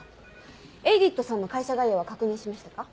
エイディットさんの会社概要は確認しましたか？